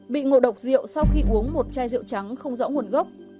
bị ngộ độc rượu sau khi uống một chai rượu trắng không rõ nguồn gốc